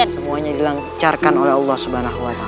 semuanya dilancarkan oleh allah swt